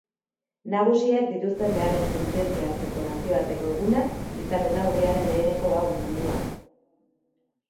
Nagusiek dituzten beharrez kontzientzia hartzeko nazioarteko eguna izaten da urriaren leheneneko hau munduan.